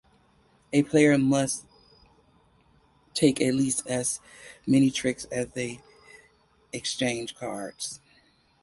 A player must take at least as many tricks as they exchanged cards.